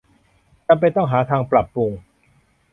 จำเป็นต้องหาทางปรับปรุง